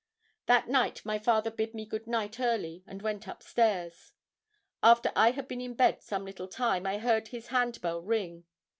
That night my father bid me good night early and went upstairs. After I had been in bed some little time, I heard his hand bell ring.